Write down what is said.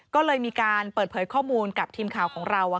ก็เลยมีการเปิดเผยข้อมูลกับทีมข่าวของเรา